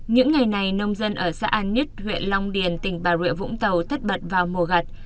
những ngày này nông dân ở xã an nhất huyện long điền tỉnh bà rịa vũng tàu tất bật vào mùa gặt